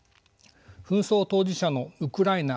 紛争当事者のウクライナ